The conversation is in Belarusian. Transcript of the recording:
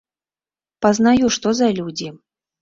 Пазнаю, што за людзі.